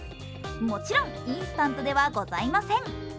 もちろんインスタントではございません。